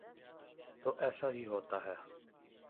تو ایسا ہی ہوتا ہے۔